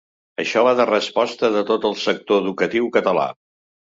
Això va de resposta de tot el sector educatiu català.